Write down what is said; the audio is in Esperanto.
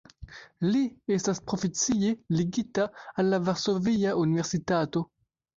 Li estas profesie ligita al la Varsovia Universitato.